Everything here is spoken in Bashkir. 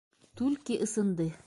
- Түлке ысынды!